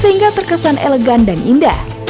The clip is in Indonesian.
sehingga terkesan elegan dan indah